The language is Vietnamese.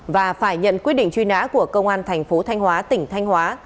và phải nhận quyết định truy nã của công an thành phố thanh hóa tỉnh thanh hóa